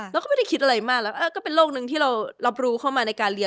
เราก็ไม่ได้คิดอะไรมากแล้วก็เป็นโรคนึงที่เรารับรู้เข้ามาในการเรียน